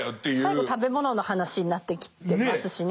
最後食べ物の話になってきてますしね。